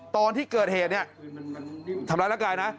ตอนที่เกิดเหตุเนี่ยทำร้ายร่างกายนะ